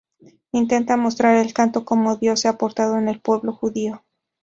Intenta mostrar el canto como Dios se ha portado con el pueblo judío.